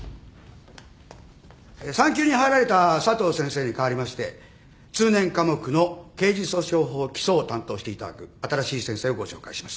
産休に入られた佐藤先生に代わりまして通年科目の刑事訴訟法基礎を担当していただく新しい先生をご紹介します。